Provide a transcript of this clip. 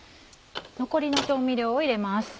残りの調味料を入れます。